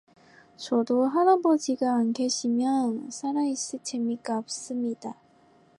저도 할아버지가 안 계시면 살아있을 재미가 없습니다.